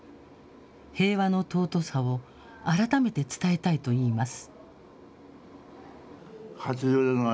平和の尊さを改めて伝えたいといいます。